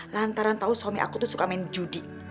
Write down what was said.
lantaran tahu suami aku tuh suka main judi